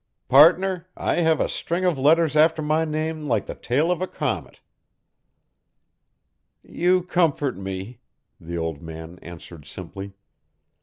"Partner, I have a string of letters after my name like the tail of a comet." "You comfort me," the old man answered simply.